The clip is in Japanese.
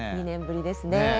２年ぶりです。